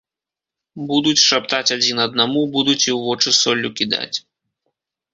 Будуць шаптаць адзін аднаму, будуць і ў вочы соллю кідаць.